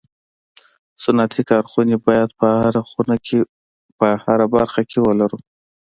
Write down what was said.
صنعتي کارخوني باید په هره برخه کي ولرو